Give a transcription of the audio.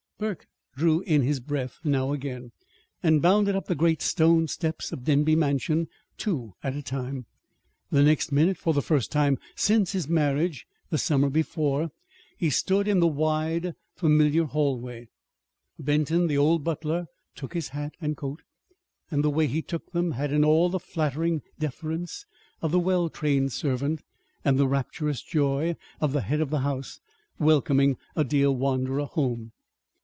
Burke drew in his breath now again, and bounded up the great stone steps of Denby Mansion, two at a time. The next minute, for the first time since his marriage the summer before, he stood in the wide, familiar hallway. Benton, the old butler, took his hat and coat; and the way he took them had in it all the flattering deference of the well trained servant, and the rapturous joy of the head of a house welcoming a dear wanderer home.